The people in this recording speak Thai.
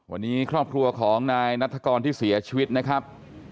วันนี้ครอบครัวของนายนัฐกรที่เสียชีวิตนะครับ